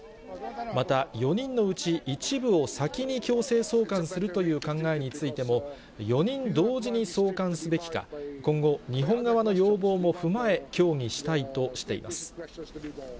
また４人のうち、一部を先に強制送還するという考えについても、４人同時に送還すべきか、今後、日本側の要望も踏まえ、協議したいとしています。